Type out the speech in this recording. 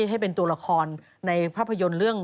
ให้เป็นตัวละครในภาพยนตร์เรื่อง